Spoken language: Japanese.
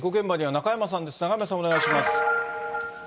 中山さん、お願いします。